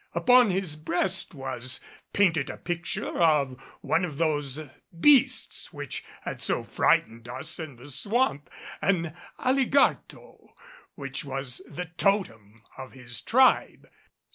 Upon his breast was painted a picture of one of those beasts which had so frightened us in the swamp an alligarto which was the totem of his tribe.